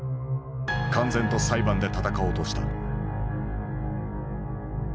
敢然と裁判で闘おうとした。